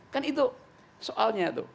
kan itu soalnya